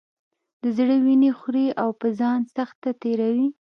د زړه وینې خوري او په ځان سخته تېروي.